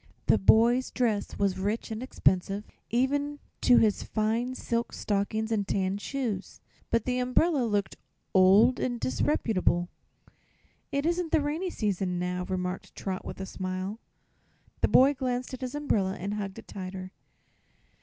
The boy's dress was rich and expensive, even to his fine silk stockings and tan shoes; but the umbrella looked old and disreputable. "It isn't the rainy season now," remarked Trot, with a smile. The boy glanced at his umbrella and hugged it tighter.